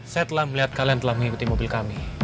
saya telah melihat kalian telah mengikuti mobil kami